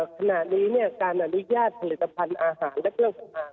ขนาดนี้เนี่ยการอนุญาตสนิทธิภัณฑ์อาหาร